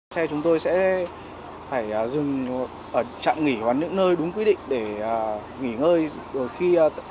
xe chúng tôi sẽ phải dừng ở trạm nghỉ hoặc những nơi đúng quy định để nghỉ ngơi